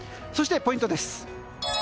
そして、ポイントです。